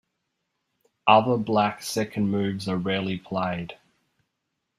Other Black second moves are rarely played.